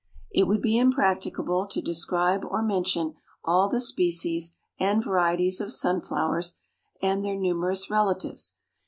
It would be impracticable to describe or mention all the species and varieties of sunflowers and their numerous relatives.